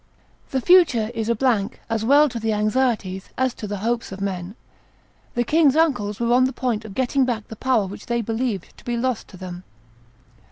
The future is a blank, as well to the anxieties as to the hopes of men. The king's uncles were on the point of getting back the power which they believed to be lost to them.